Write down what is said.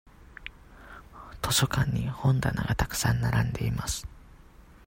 図書館に本棚がたくさん並んでいます。